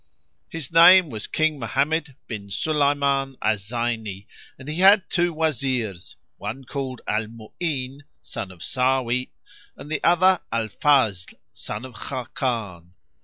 "[FN#3] His name was King Mohammed bin Sulayman al Zayni, and he had two Wazirs, one called Al Mu'ín, son of Sáwí and the other Al Fazl son of Khákán.